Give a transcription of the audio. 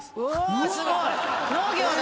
すごい！農業だ。